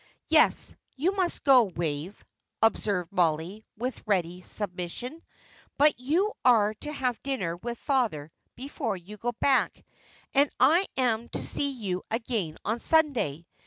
"Yes, you must go, Wave," observed Mollie, with ready submission; "but you are to have dinner with father before you go back, and I am to see you again on Sunday."